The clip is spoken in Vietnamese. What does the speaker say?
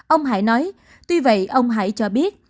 ông hải nói tuy vậy ông hải cho biết